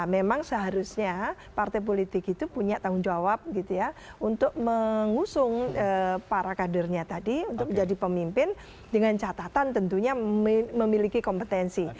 memang seharusnya partai politik itu punya tanggung jawab gitu ya untuk mengusung para kadernya tadi untuk menjadi pemimpin dengan catatan tentunya memiliki kompetensi